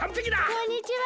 こんにちは。